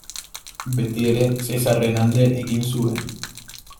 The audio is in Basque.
Betiere Zesarren alde egin zuen.